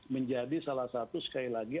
menjadi salah satu sekali lagi